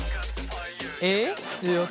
えっ？